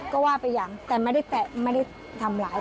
ก็ว่าไปอย่างแต่ไม่ได้แตะไม่ได้ทำร้าย